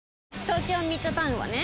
東京ミッドタウンはね